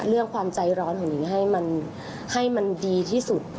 เรื่องความใจร้อนของนิ้งให้มันให้มันดีที่สุด